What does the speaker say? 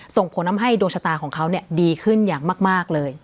ส่งผลทำให้โดชตาของเขาเนี่ยดีขึ้นอย่างมากมากเลย